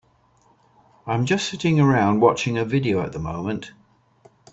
I'm just sitting around watching a video at the moment.